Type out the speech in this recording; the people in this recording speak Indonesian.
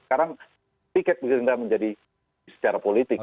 sekarang tiket gerindra menjadi secara politik